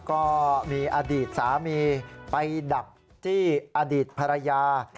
ก็มีอดีตสามีไปดักจี้อดีตภรรยา